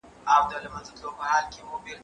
دا قلمان له هغو ښه دي